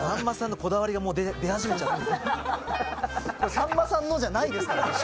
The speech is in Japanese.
さんまさんのじゃないですからね。